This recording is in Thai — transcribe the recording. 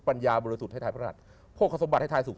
ปัญญาบริสุทธิ์ให้ทายพระราชโภคสมบัติให้ทายสุข